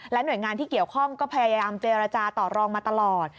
หน่วยงานที่เกี่ยวข้องก็พยายามเจรจาต่อรองมาตลอด